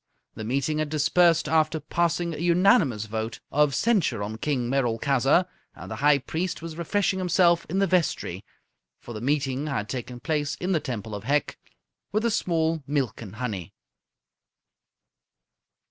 The meeting had dispersed after passing a unanimous vote of censure on King Merolchazzar, and the High Priest was refreshing himself in the vestry for the meeting had taken place in the Temple of Hec with a small milk and honey.